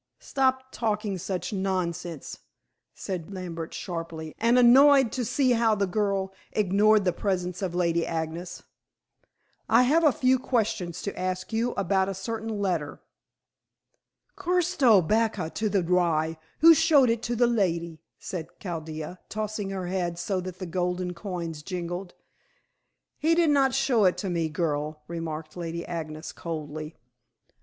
"Drop talking such nonsense," said Lambert sharply, and annoyed to see how the girl ignored the presence of Lady Agnes. "I have a few questions to ask you about a certain letter." "Kushto bak to the rye, who showed it to the lady," said Chaldea, tossing her head so that the golden coins jingled. "He did not show it to me, girl," remarked Lady Agnes coldly.